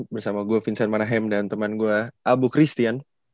bersama gue vincent manahem dan teman gue abu christian